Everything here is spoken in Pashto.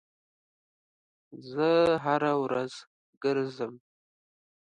زه هره ورځ ګرځم